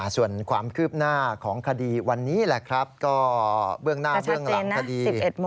ส่วนความคืบหน้าของคดีวันนี้แหละครับก็เบื้องหน้าเบื้องหลังคดี